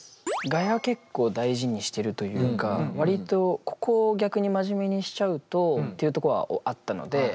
ガヤ結構大事にしてるというか割とここを逆に真面目にしちゃうとっていうとこはあったので。